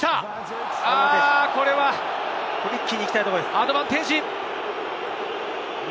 アドバンテージ。